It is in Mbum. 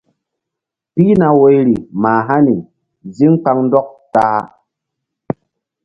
Pihna woyri mah hani zíŋ kpaŋndɔk ta-a.